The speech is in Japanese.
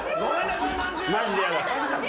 マジでやだ。